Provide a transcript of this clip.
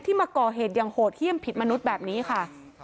มาก่อเหตุอย่างโหดเยี่ยมผิดมนุษย์แบบนี้ค่ะ